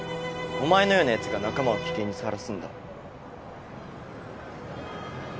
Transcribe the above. お前のようなヤツが仲間を危険にさらすんだ。